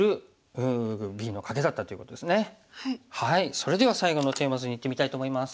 それでは最後のテーマ図にいってみたいと思います。